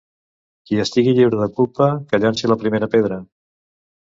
Qui estigui lliure de culpa, que llanci la primera pedra.